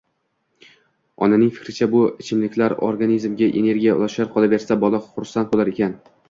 Onaning fikricha, bu ichimliklar organizmga energiya ulashar, qolaversa, bola xursand boʻlar ekan